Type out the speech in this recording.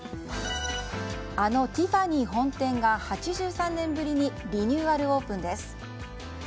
あのティファニー本店が８３年ぶりにリニューアルオープンです。